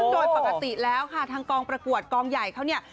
โดยปกติแล้วค่ะทางกองประกวดกองใหญ่เขาเนี่ย